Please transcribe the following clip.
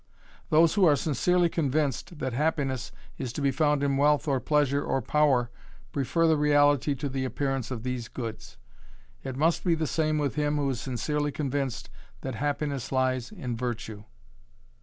Those who are sincerely convinced that happiness is to be found in wealth or pleasure or power prefer the reality to the appearance of these goods; it must be the same with him who is sincerely convinced that happiness lies in virtue.